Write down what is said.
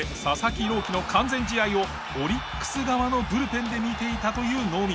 希の完全試合をオリックス側のブルペンで見ていたという能見。